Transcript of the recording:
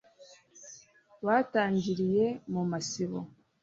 batangiriye mu masibo